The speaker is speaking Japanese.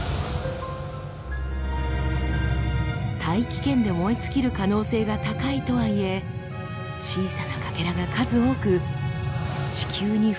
大気圏で燃え尽きる可能性が高いとはいえ小さなかけらが数多く地球に降り注ぐかもしれません。